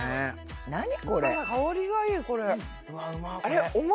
何これ香りがいいこれ。